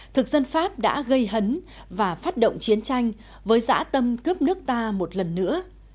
thực dân pháp đã gây hấn và phát động chiến tranh với giã tâm cướp nước ta một lần nữa